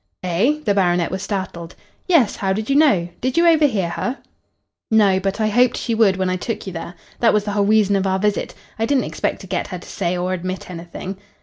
"Eh?" The baronet was startled. "Yes. How did you know? Did you overhear her?" "No, but I hoped she would when I took you there. That was the whole reason of our visit. I didn't expect to get her to say or admit anything."